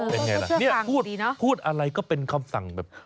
เป็นไงล่ะเนี่ยพูดอะไรก็เป็นคำสั่งแบบ